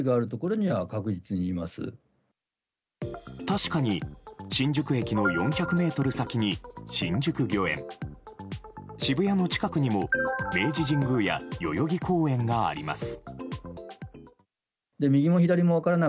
確かに新宿駅の４００ｍ先に新宿御苑渋谷の近くにも明治神宮や代々木公園があります。